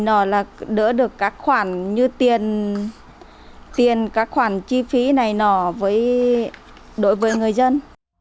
để đỡ được các khoản như tiền các khoản chi phí này nọ đối với người dân